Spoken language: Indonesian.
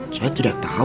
saya tidak tahu